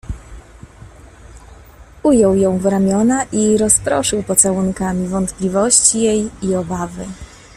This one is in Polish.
"Ujął ją w ramiona i rozproszył pocałunkami wątpliwości jej i obawy."